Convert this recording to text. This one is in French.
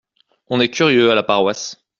On est curieux à la paroisse.